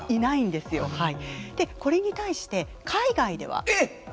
でこれに対して海外では。えっ！？